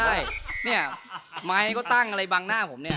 ใช่เนี่ยไม้ก็ตั้งอะไรบังหน้าผมเนี่ย